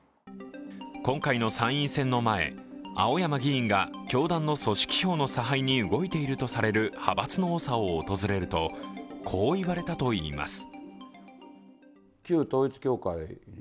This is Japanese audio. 今回の参院選の前、青山議員が教団の組織票の差配に動いているとされる派閥の長を訪れると、こう言われたといいます。